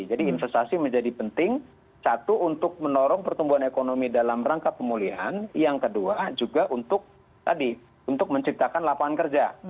jadi investasi menjadi penting satu untuk mendorong pertumbuhan ekonomi dalam rangka pemulihan yang kedua juga untuk menciptakan lapangan kerja